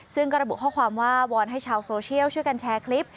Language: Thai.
ซึ่งก็ระบุข้อความว่าวอนให้ชาวโซเชียลช่วยกันแชร์คลิป